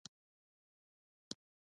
د نیمروز په چخانسور کې د څه شي نښې دي؟